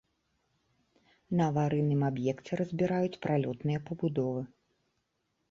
На аварыйным аб'екце разбіраюць пралётныя пабудовы.